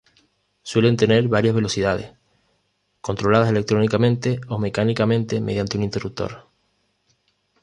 Suelen tener varias velocidades, controladas electrónicamente o mecánicamente mediante un interruptor.